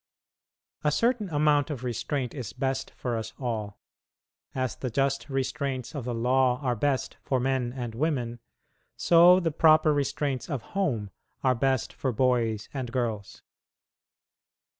A certain amount of restraint is best for us all. As the just restraints of the law are best for men and women, so the proper restraints of home are best for boys and girls.